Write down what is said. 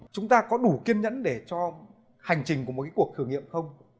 chúng ta có đủ kiên nhẫn để cho hành trình của một cuộc thử nghiệm không